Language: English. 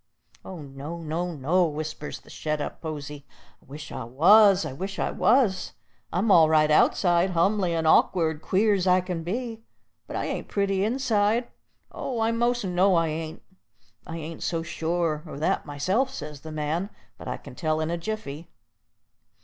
"Oh, no, no, no!" whispers the shet up posy. "I wish I was, I wish I was. I'm all right outside, humly and awk'ard, queer's I can be, but I ain't pretty inside, oh! I most know I ain't." "I ain't so sure o' that myself," says the man, "but I can tell in a jiffy."